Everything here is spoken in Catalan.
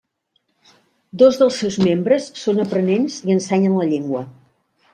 Dos dels seus membres són aprenents i ensenyen la llengua.